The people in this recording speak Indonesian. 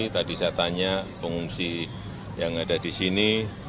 tadi saya tanya pengungsi yang ada di sini